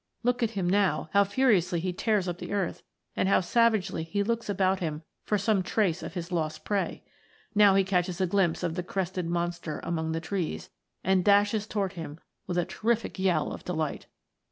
Look at him. now how furiously he tears up the earth, and how savagely he looks about him for some trace of his lost prey ! Now he catches a glimpse of the crested monster among the trees, and dashes towards him with a terrific yell of delight.